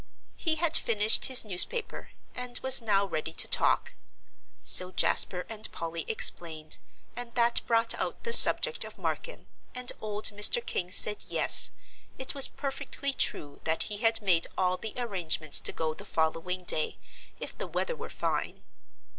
He had finished his newspaper, and was now ready to talk. So Jasper and Polly explained, and that brought out the subject of Marken, and old Mr. King said yes, it was perfectly true that he had made all the arrangements to go the following day if the weather were fine.